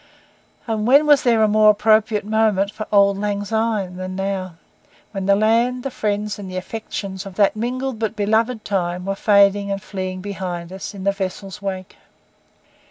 And when was there a more appropriate moment for 'Auld Lang Syne' than now, when the land, the friends, and the affections of that mingled but beloved time were fading and fleeing behind us in the vessel's wake?